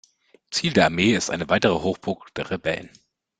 Ziel der Armee ist eine weitere Hochburg der Rebellen.